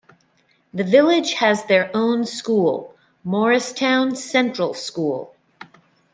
The village has their own school, Morristown Central School.